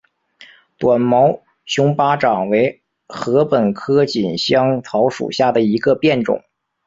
短毛熊巴掌为禾本科锦香草属下的一个变种。